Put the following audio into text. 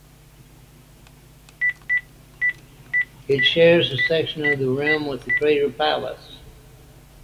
It shares a section of rim with the crater Pallas.